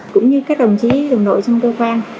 cũng như các đồng chí đồng đội trong cơ quan